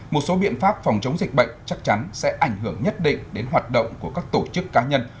một số biện pháp phòng chống dịch bệnh chắc chắn sẽ ảnh hưởng nhất định đến hoạt động của các tổ chức cá nhân